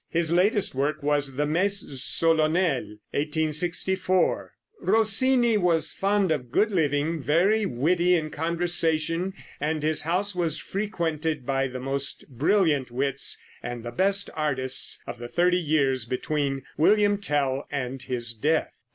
His latest work was the "Messe Solennelle" (1864). Rossini was fond of good living, very witty in conversation, and his house was frequented by the most brilliant wits and the best artists of the thirty years between "William Tell" and his death.